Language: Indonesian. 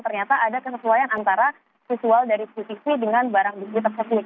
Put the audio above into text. ternyata ada kesesuaian antara visual dari cctv dengan barang bukti tersebut